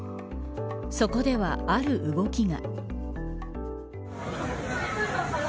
そこでは、ある動きが。